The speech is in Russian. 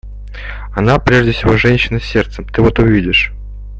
Она прежде всего женщина с сердцем, ты вот увидишь.